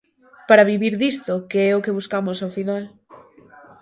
Para vivir disto, que é o que buscamos ao final.